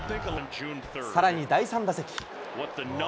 さらに第３打席。